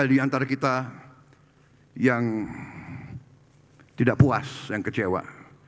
di antara kita yang tidak puas yang kecewa